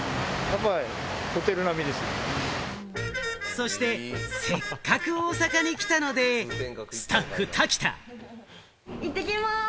そして、せっかく大阪に来たので、スタッフ・瀧田。